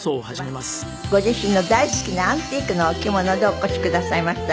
本日はご自身の大好きなアンティークのお着物でお越しくださいました。